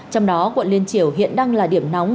trong đó quận liên triều hiện đang là điểm nóng